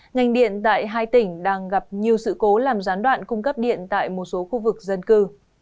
ngành điện tại hai tỉnh đang gặp nhiều sự cố làm gián đoạn cung cấp điện tại một số khu vực dân cư